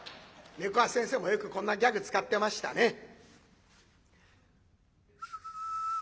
猫八先生もよくこんなギャグ使ってましたね。